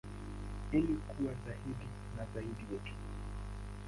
Ili kuwa zaidi na zaidi yetu.